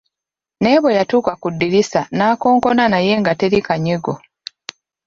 Naye bwe yatuuka ku ddirisa n'akonkona naye nga teri kanyego.